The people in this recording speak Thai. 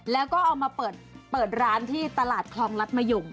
แล้วก็เอามาเปิดร้านที่ตลาดคลองรัฐมะยุง